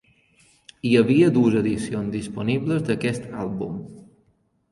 Hi havia dues edicions disponibles d'aquest àlbum.